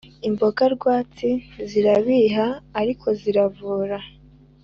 imboga rwatsi zirabiha ariko ziravura